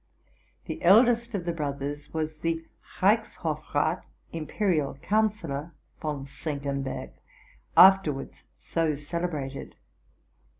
The eldest of the brothers was the Reichshofrath (Imperial Councillor) von Senkenberg, after wards so celebrated.